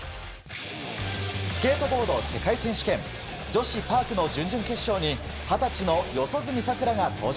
スケートボード世界選手権女子パークの準々決勝に二十歳の四十住さくらが登場。